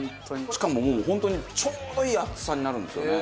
しかももう本当にちょうどいい熱さになるんですよね。